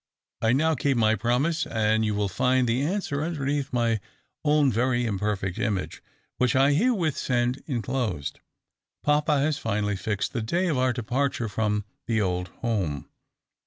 I now keep my promise, and you will find the answer underneath my own very imperfect image, which I herewith send in closed. Papa has finally fixed the day of our departure from the old home.